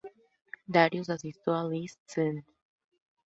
Darius asistió al East St.